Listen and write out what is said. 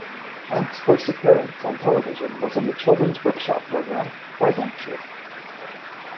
Ant's first appearance on television was on the children's workshop programme Why Don't You?